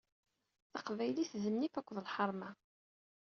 Taqbaylit d nnif akked lḥeṛma!